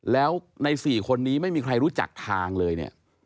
แล้วใน๔คนนี้ไม่มีใครรู้จักทางเลยเนี่ย